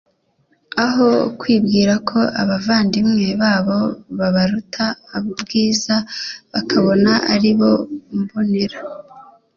aho kwibwira ko abavandimwe babo babaruta ubwiza, bakabona ari bo mbonera.